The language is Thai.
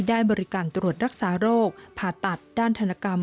ได้บริการตรวจรักษาโรคผ่าตัดด้านธนกรรม